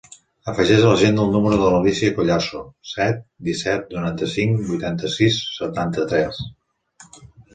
Afegeix a l'agenda el número de l'Alícia Collazo: set, disset, noranta-cinc, vuitanta-sis, setanta-tres.